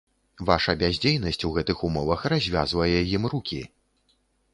Ваша бяздзейнасць у гэтых умовах развязвае ім рукі.